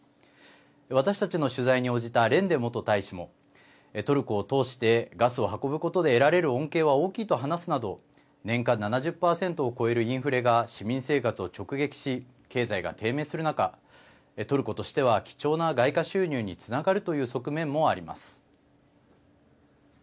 私たちの取材に応じたレンデ元大使もトルコを通してガスを運ぶことで得られる恩恵は大きいと話すなど年間７０％を超えるインフレが市民生活を直撃し経済が低迷する中トルコとしては貴重な外貨収入につながるという側面もあります。